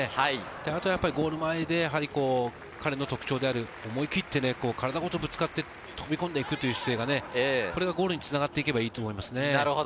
あとはゴール前で彼の特徴である思い切って体ごとぶつかって飛び込んでいく姿勢が、それがゴールにつながっていけばいいと思いますね。